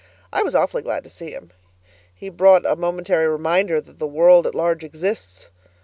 I was awfully glad to see him; he brought a momentary reminder that the world at large exists.